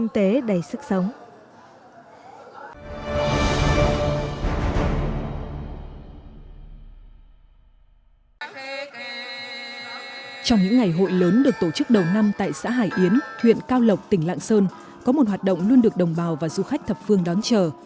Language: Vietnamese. trong những ngày hội lớn được tổ chức đầu năm tại xã hải yến huyện cao lộc tỉnh lạng sơn có một hoạt động luôn được đồng bào và du khách thập phương đón chờ